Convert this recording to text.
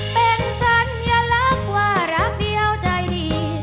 เป็นสัญลักษณ์ว่ารักเดียวใจดี